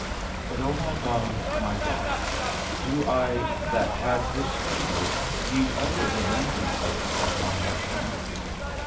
But, O my God, my God, do I that have this fever need other remembrances of my mortality?